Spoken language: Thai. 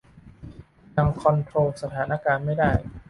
ยังคอนโทรลสถานการณ์ไม่ได้